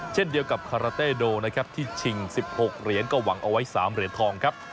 เช่นเดียวกับคาราเต้โดนะครับที่ชิง๑๖เหรียญก็หวังเอาไว้๓เหรียญทองครับ